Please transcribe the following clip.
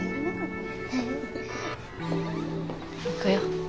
行くよ。